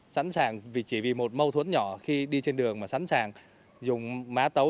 sẵn sàng vì chỉ vì một mâu thuẫn nhỏ khi đi trên đường mà sẵn sàng dùng má tấu